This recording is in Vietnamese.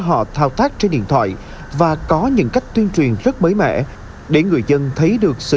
họ thao tác trên điện thoại và có những cách tuyên truyền rất mới mẻ để người dân thấy được sự